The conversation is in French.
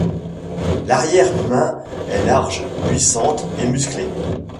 L'arrière-main est large, puissante et musclée.